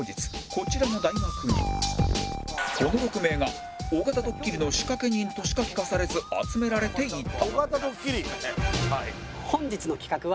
こちらの大学にこの６名が尾形ドッキリの仕掛人としか聞かされず集められていた